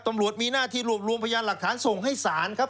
ตำรวจมีหน้าที่รวบรวมพยานหลักฐานส่งให้ศาลครับ